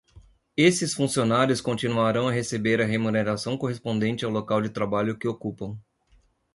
Esses funcionários continuarão a receber a remuneração correspondente ao local de trabalho que ocupam.